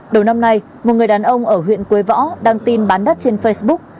đầu năm nay một người đàn ông ở huyện quế võ đăng tin bán đất trên facebook